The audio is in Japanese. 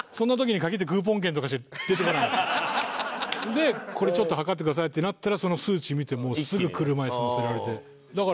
でこれちょっと測ってくださいってなったらその数値見てすぐ車椅子乗せられて。